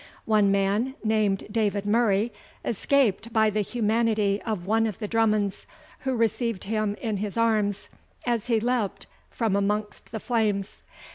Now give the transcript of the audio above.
One man, named David Murray, escaped by the humanity of one of the Drummonds, who received him in his arms as he leaped from amongst the flames.